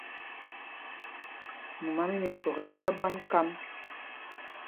Mumá mí Mikpɔk ɛ́ ɛ́ ɓyá ɓwân kám.